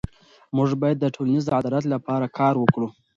موږ باید د ټولنیز عدالت لپاره کار وکړو.